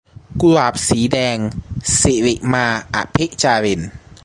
กุหลาบสีแดง - สิริมา อภิจาริน